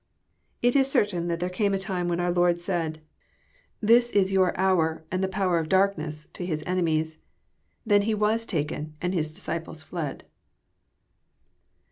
It is certain that there came a time when our Lord said, '^This JOHN, CHAP. XI. 249 19 yonr hour, and the power of darkDess," to His enemies. Then He was taken, and His disciples fled.